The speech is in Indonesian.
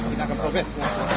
kita akan progres